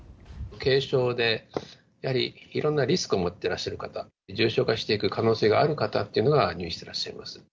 軽症でやはりいろんなリスクを持っていらっしゃる方、重症化していく可能性がある方っていうのは入院していらっしゃいます。